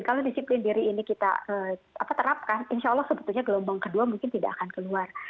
kalau disiplin diri ini kita terapkan insya allah sebetulnya gelombang kedua mungkin tidak akan keluar